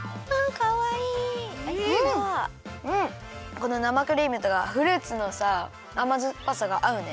この生クリームとかフルーツのさあまずっぱさがあうね。